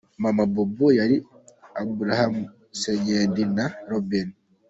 Mama Bobo ya IbrahimaSeydi & Robin.